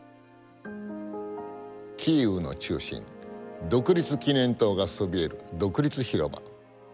キーウの中心独立記念塔がそびえる独立広場。